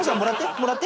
もらって。